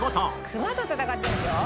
熊と戦ってるんですよ？